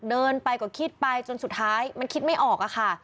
เดินไปก็คิดไปจนสุดท้ายมันคิดไม่ออกอะค่ะ